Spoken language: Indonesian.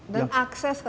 dan akses untuk